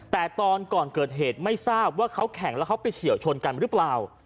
แต่ตอนก่อนเกิดเหตุไม่ทราบว่าเขาแข่งแล้วเขาไปเฉียวชนกันหรือเปล่า